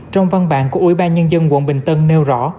trong văn bản của ủy ban nhân dân quận bình tân nêu rõ